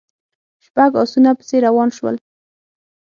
شپږ آسونه پسې روان شول.